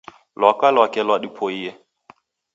Lwaka lwake lwadipoie.